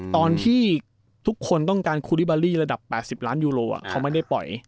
ตอนที่ทุกคนต้องการคูลิเบอรี่ระดับ๘๐ล้านยูโรเขาไม่ได้ปล่อย